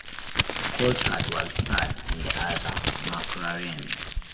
Coulthard was third in the other McLaren.